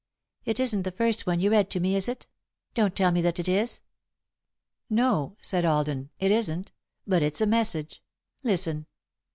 "It isn't the first one you read to me, is it? Don't tell me that it is!" "No," said Alden, "it isn't, but it's a message. Listen."